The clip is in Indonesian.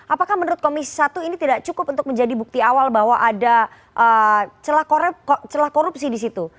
apakah menurut komisi satu ini tidak cukup untuk menjadi bukti awal bahwa ada celah korupsi di situ